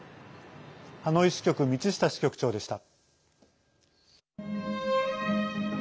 ハノイ支局、道下支局長でした。